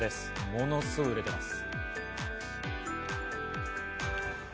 ものすごく売れています。